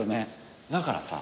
だからさ